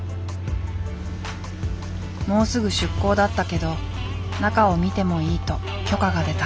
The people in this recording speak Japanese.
もうすぐ出航だったけど中を見てもいいと許可が出た。